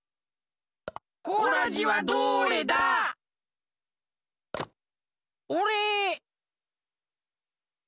コラジはどれだ？おれ！